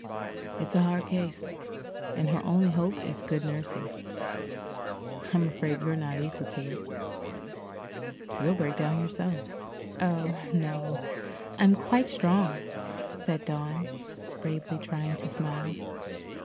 "It's a hard case, and her only hope is good nursing. I'm afraid you're not equal to it. You'll break down yourself." "Oh, no, I'm quite strong," said Dawn, bravely trying to smile.